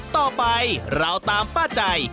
ต่อไปเราตามป้าใจ